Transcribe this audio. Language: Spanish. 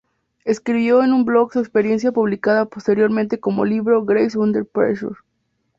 Escribió en un blog su experiencia publicada posteriormente como libro "Grace Under Pressure.